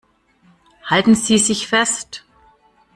Halten Sie sich fest!